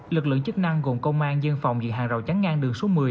lực lượng chức năng gồm công an dân phòng dự hành rào chắn ngang đường số một mươi